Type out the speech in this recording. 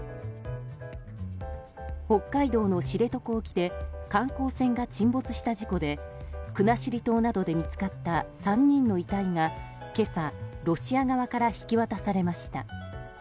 北海道の知床沖で観光船が沈没した事故で国後島などで見つかった３人の遺体が今朝、ロシア側から引き渡されました。